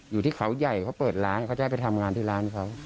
อยู่ที่เขาใหญ่เขาเปิดร้านเขาจะให้ไปทำงานที่ร้านเขา